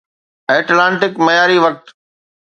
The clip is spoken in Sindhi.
ائٽلانٽڪ معياري وقت